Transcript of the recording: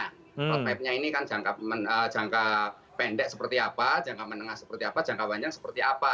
roadmapnya ini kan jangka pendek seperti apa jangka menengah seperti apa jangka panjang seperti apa